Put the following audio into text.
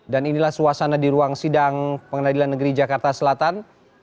dan inilah suasana di ruang sidang pengadilan negeri jakarta selatan